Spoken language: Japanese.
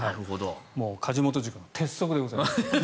梶本塾の鉄則でございます。